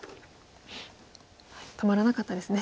止まらなかったですね。